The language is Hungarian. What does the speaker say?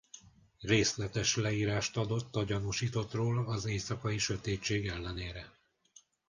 Részletes leírást adott a gyanúsítottról az éjszakai sötétség ellenére.